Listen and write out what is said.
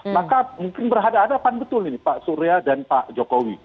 maka mungkin berhadapan betul ini pak surya dan pak jokowi